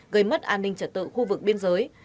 gây mất an ninh trật tự khu vực biên giới